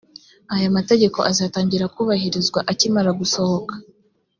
aya mategeko azatangira kubahirizwa akimara gusohoka